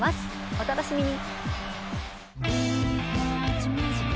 お楽しみに。